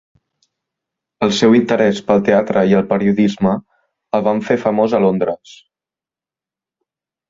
El seu interès pel teatre i el periodisme el van fer famós a Londres.